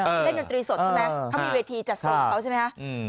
เล่นดนตรีสดใช่ไหมเขามีเวทีจัดส่งเขาใช่ไหมคะ